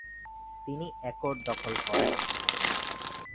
তিনি একর দখল করেন।